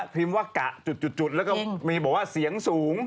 พิมพ์ว่ากะจุดแล้วก็มีบอกว่าเสียงสูง